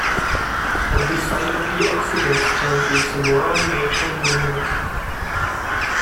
At the site of the accident stands the Samora Machel Monument.